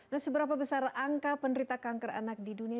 nah seberapa besar angka penderita kanker anak di dunia